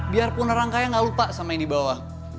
biarpun orang kaya gak lupa sama yang di bawah